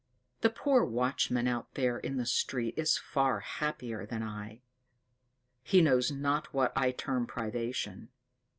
"The poor watchman out there in the street is far happier than I. He knows not what I term privation.